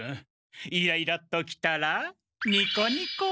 イライラッときたらニコニコ。